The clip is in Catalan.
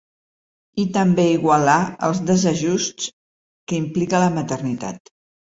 I també igualar els desajusts que implica la maternitat.